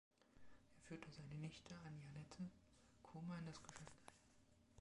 Er führte seine Nichte Anjanette Comer in das Geschäft ein.